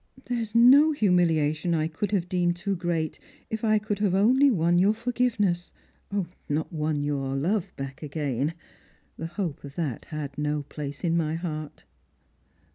There is no humiliation I could have deemed too great if I could have only won your forgiveness; not won your love back again — the hope of that had no place in my heart."